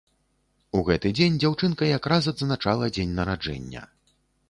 У гэты дзень дзяўчынка якраз адзначала дзень нараджэння.